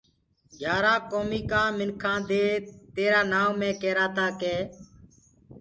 گھيآرآ ڪوميٚ ڪآ منکآنٚ دي تيرآ نآئونٚ مي ڪيرآ تآ ڪي